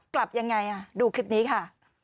กลับยังไงดูคลิปนี้ค่ะ